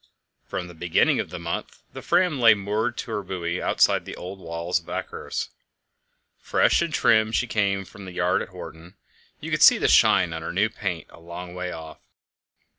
From the beginning of the month the Fram lay moored to her buoy outside the old walls of Akershus. Fresh and trim she came from the yard at Horten; you could see the shine on her new paint a long way off.